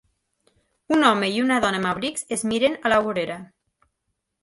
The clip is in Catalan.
Un home i una dona amb abrics es miren a la vorera.